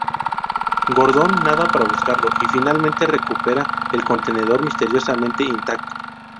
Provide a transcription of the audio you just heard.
Gordon nada para buscarlo, y finalmente recupera el contenedor misteriosamente intacto.